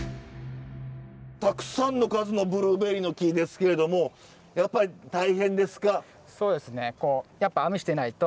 たくさんの数のブルーベリーの木ですけれどもやっぱり大変ですか？